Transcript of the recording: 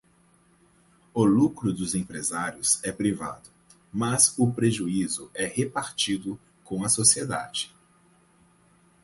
O lucro dos empresários é privado, mas o prejuízo é repartido com a sociedade